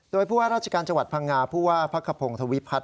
โดยราชการจังหวัดพังงาผู้ว่าพระขับพงษ์ธวิพัฒน์